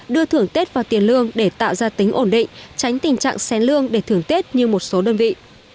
đưa thưởng tết vào tiền lương để tạo ra tính ổn định tránh tình trạng xén lương để thưởng tết như một số đơn vị